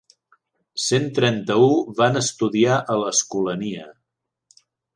Cent trenta-u van estudiar a l'Escolania!